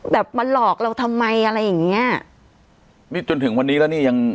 แบบมาหลอกเราทำไมอะไรอย่างเงี้ยนี่จนถึงวันนี้แล้วนี่ยัง